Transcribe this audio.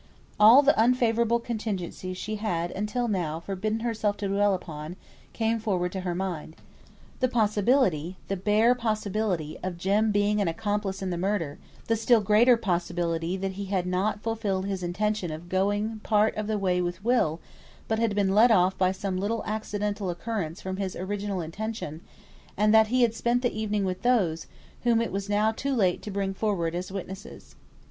All the unfavourable contingencies she had, until now, forbidden herself to dwell upon, came forward to her mind. The possibility, the bare possibility, of Jem being an accomplice in the murder; the still greater possibility that he had not fulfilled his intention of going part of the way with Will, but had been led off by some little accidental occurrence from his original intention; and that he had spent the evening with those, whom it was now too late to bring forward as witnesses.